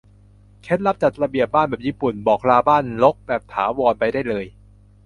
เคล็ดลับจัดระเบียบบ้านแบบญี่ปุ่น บอกลาบ้านรกแบบถาวรไปได้เลย